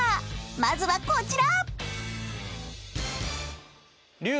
まずはこちら！］